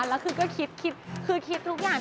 แล้วคือก็คิดคือคิดทุกอย่าง